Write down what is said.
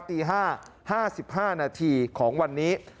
ตี๕๕นาทีของวันนี้